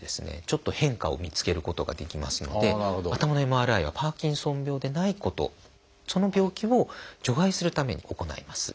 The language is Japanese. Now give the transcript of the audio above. ちょっと変化を見つけることができますので頭のＭＲＩはパーキンソン病でないことその病気を除外するために行います。